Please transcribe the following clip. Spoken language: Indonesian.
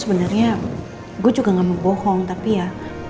sebenarnya gue juga gak mau bohong tapi ya